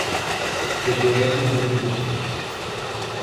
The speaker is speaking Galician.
Se iso é así, ¡benvido sexa!